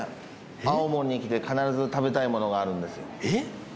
青森に来て必ず食べたいものがあるんですよえっ？